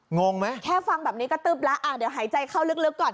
งงไหมแค่ฟังแบบนี้ก็ตึ๊บแล้วเดี๋ยวหายใจเข้าลึกก่อน